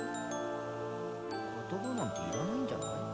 言葉なんていらないんじゃない？